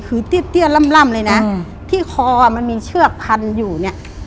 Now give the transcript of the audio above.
มีเตี้ยเตี้ยล่ำล่ำเลยน่ะอืมที่คอมันมีเชือกพันอยู่เนี้ย